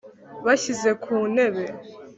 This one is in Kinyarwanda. bashyize ku ntebe